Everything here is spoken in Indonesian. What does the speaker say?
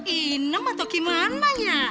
inem atau gimana ya